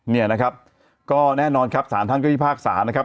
เนี่ยนะครับก็แน่นอนครับสารท่านก็พิพากษานะครับ